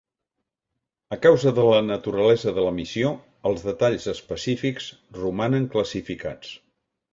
A causa de la naturalesa de la missió, els detalls específics romanen classificats.